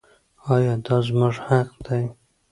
آیا دا زموږ حق دی؟